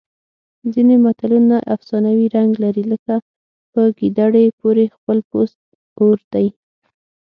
ځینې متلونه افسانوي رنګ لري لکه په ګیدړې پورې خپل پوست اور دی